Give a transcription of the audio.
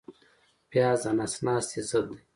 پیاز د نس ناستي ضد دی